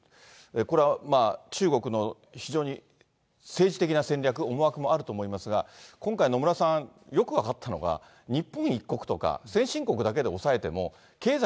これはまあ、中国の非常に政治的な戦略、思惑もあると思いますが、今回、野村さん、よく分かったのが、日本一国とか、先進国だけで抑えても、経済、